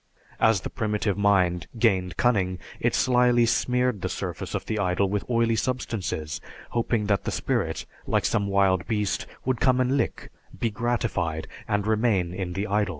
As the primitive mind gained cunning, it slyly smeared the surface of the idol with oily substances, hoping that the spirit, like some wild beast, would come and lick, be gratified, and remain in the idol.